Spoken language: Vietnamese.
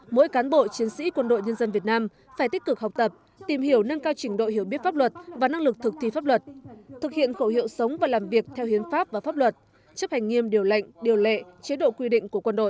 mỗi cán bộ chiến sĩ quân đội nhân dân việt nam phải tích cực học tập tìm hiểu nâng cao trình độ hiểu biết pháp luật và năng lực thực thi pháp luật thực hiện khẩu hiệu sống và làm việc theo hiến pháp và pháp luật chấp hành nghiêm điều lệnh điều lệ chế độ quy định của quân đội